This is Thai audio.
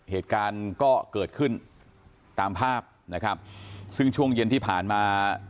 เหตุการณ์ก็เกิดขึ้นตามภาพนะครับซึ่งช่วงเย็นที่ผ่านมา